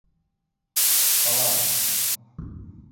Ҡалабыҙ!